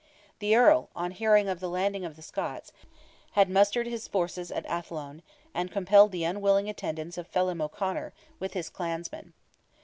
The Earl, on hearing of the landing of the Scots, had mustered his forces at Athlone, and compelled the unwilling attendance of Felim O'Conor, with his clansmen.